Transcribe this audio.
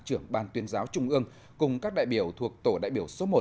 trưởng ban tuyên giáo trung ương cùng các đại biểu thuộc tổ đại biểu số một